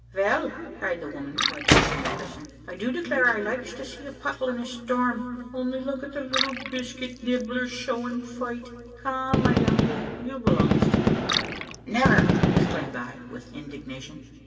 "Vell," cried the woman who had made me a prisoner, "I do declare I likes to see a puddle in a storm only look at the little biscuit nibbler showing fight! Come, my lovey, you belongs to me." "Never!" exclaimed I with indignation.